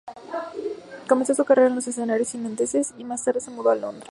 Comenzó su carrera en los escenarios irlandeses y más tarde se mudó a Londres.